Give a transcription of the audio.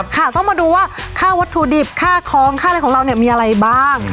ค่ะต้องมาดูว่าค่าวัตถุดิบค่าคล้องค่าอะไรของเราเนี่ยมีอะไรบ้าง